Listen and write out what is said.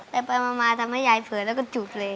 ไปมาทำให้ยายเผินแล้วก็จุกเลย